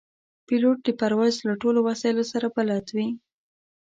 پیلوټ د پرواز له ټولو وسایلو سره بلد وي.